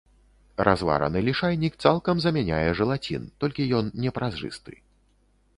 Развараны лішайнік цалкам замяняе жэлацін, толькі ён непразрысты.